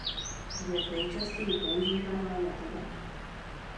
Dnes nejčastěji používaná metoda.